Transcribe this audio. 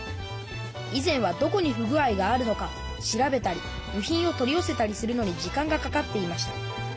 以前はどこに不具合があるのか調べたり部品を取りよせたりするのに時間がかかっていました。